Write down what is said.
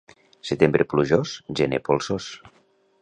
Setembre plujós, gener polsós.